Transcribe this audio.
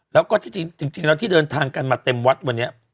แล้วก็ที่จริงแล้วที่เดินทางกันมาเต็มวัดวันนี้